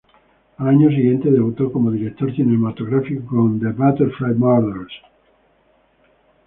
Al año siguiente debutó como director cinematográfico con "The Butterfly Murders".